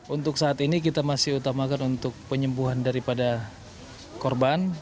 untuk saat ini kita masih utamakan untuk penyembuhan daripada korban